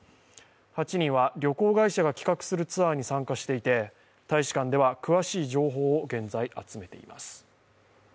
８人は旅行会社が企画するツアーに参加していて大使館では詳しい情報を現在集めています。